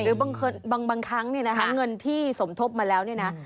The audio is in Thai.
หรือบางครั้งเนี่ยนะคะเงินที่สมทบมาแล้วเนี่ยนะ